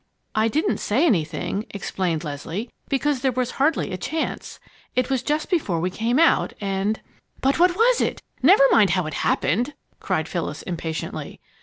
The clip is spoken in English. "I didn't say anything," explained Leslie, "because there was hardly a chance. It was just before we came out. And " "But what was it? Never mind how it happened!" cried Phyllis impatiently.